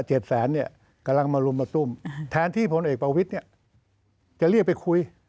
เจ็ดแสนเนี่ยกำลังมารุมมาตุ้มแทนที่พลเอกประวิทย์เนี่ยจะเรียกไปคุย